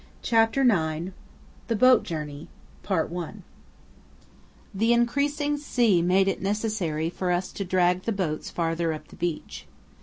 CHAPTER IX THE BOAT JOURNEY The increasing sea made it necessary for us to drag the boats farther up the beach.